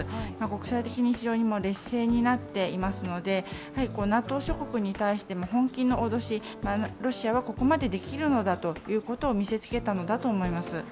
国際的に劣勢になっていますのでＮＡＴＯ諸国に対しても本気の脅し、ロシアはここまでできるのだということを見せつけたのだと思います。